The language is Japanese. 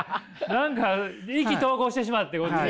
何か意気投合してしまってこっちで。